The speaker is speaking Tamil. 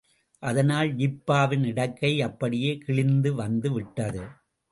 அதனால் ஜிப்பாவின் இடக்கை அப்படியே கிழிந்து வந்துவிட்டது.